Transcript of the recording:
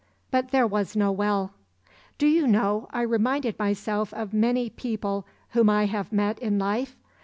But there was no well. "Do you know, I reminded myself of many people whom I have met in life?